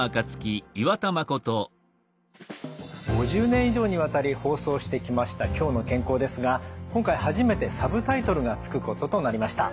５０年以上にわたり放送してきました「きょうの健康」ですが今回初めてサブタイトルが付くこととなりました。